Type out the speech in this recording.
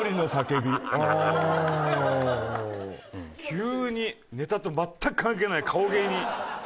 急にネタと全く関係ない顔芸に。